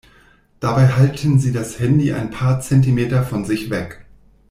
Dabei halten sie das Handy ein paar Zentimeter von sich weg.